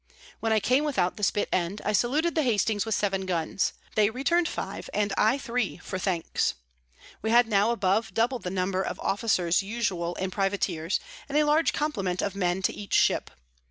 When I came without the Spit end, I saluted the Hastings with seven Guns; they return'd five, and I three for Thanks. We had now above double the number of Officers usual in Privateers, and a large Complement of Men to each Ship.